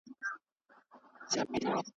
له پاپیو نه مي شرنګ د ګونګرو واخیست .